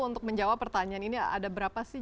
untuk menjawab pertanyaan ini ada berapa sih